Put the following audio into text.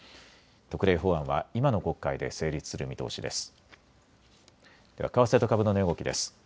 特例法案は今の国会で成立する見通しです。